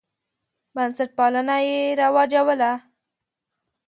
بنسټپالنه یې رواجوله.